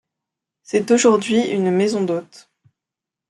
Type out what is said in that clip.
C'est aujourd'hui une maison d'hôtes.